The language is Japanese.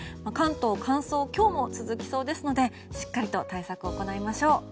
関東は乾燥今日も続きそうですのでしっかりと対策を行いましょう。